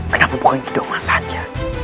kenapa bukan kedomas saja